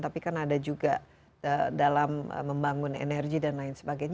tapi kan ada juga dalam membangun energi dan lain sebagainya